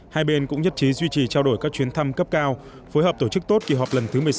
hai bên cũng nhất trí duy trì trao đổi các chuyến thăm cấp cao phối hợp tổ chức tốt kỳ họp lần thứ một mươi sáu